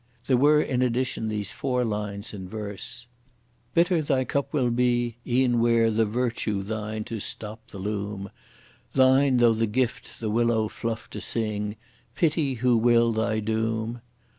There were in addition these four lines in verse: Bitter thy cup will be, e'en were the virtue thine to stop the loom, Thine though the gift the willow fluff to sing, pity who will thy doom?